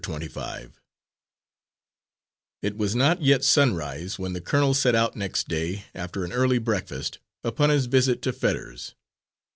Twenty five It was not yet sunrise when the colonel set out next day, after an early breakfast, upon his visit to Fetters.